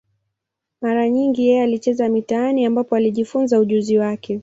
Mara nyingi yeye alicheza mitaani, ambapo alijifunza ujuzi wake.